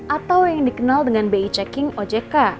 atau yang dikenal dengan bi checking ojk